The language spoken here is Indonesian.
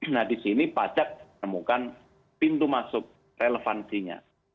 nah di sini pajak menemukan pintu masuk relevansinya